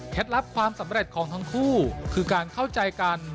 ลับความสำเร็จของทั้งคู่คือการเข้าใจกัน